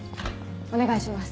お願いします